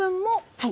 はい。